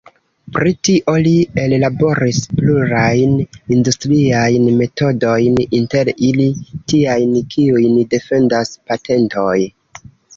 Pri tio li ellaboris plurajn industriajn metodojn, inter ili tiajn, kiujn defendas patentoj.